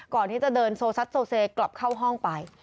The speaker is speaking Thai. ก่อนที่จะเดินโซซัดโซเซกลับเข้าห้องไป